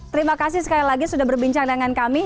terima kasih sekali lagi sudah berbincang dengan kami